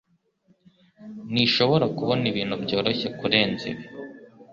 Ntishobora kubona ibintu byoroshye kurenza ibi